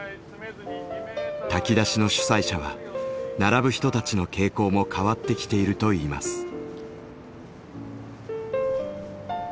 炊き出しの主催者は並ぶ人たちの傾向も変わってきているといいます。